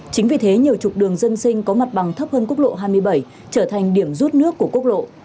chính vì thế nhiều trục đường dân sinh có mặt bằng thấp hơn quốc lộ hai mươi bảy trở thành điểm rút nước của quốc lộ